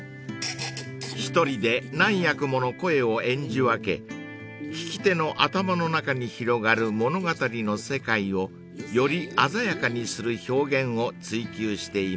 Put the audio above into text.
［一人で何役もの声を演じ分け聴き手の頭の中に広がる物語の世界をより鮮やかにする表現を追求しています］